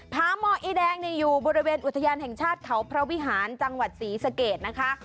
พาหมออีแดงอยู่บริเวณอุทยานแห่งชาติเขาพระวิหารจังหวัดศรีสะเกดนะคะ